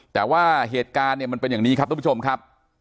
แต่ว่าเหตุการณ์เนี่ยมันเป็นอย่างนี้ครับทุกผู้ชมครับ